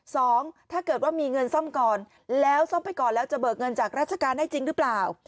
สองถ้าเกิดว่ามีเงินซ่อมก่อนแล้วซ่อมไปก่อนแล้วจะเบิกเงินจากราชการได้จริงหรือเปล่า